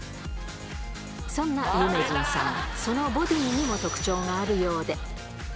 そんな有名人さん、そのボディーにも特徴があるようで。